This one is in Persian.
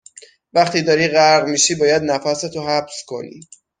وقتی داری غرق میشی، باید نفست رو حبس کنی